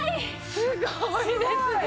すごいですよ！